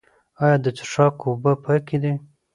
آیا د څښاک اوبه پاکې دي؟